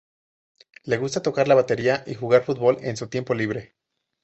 Le gusta tocar la batería y jugar fútbol en su tiempo libre.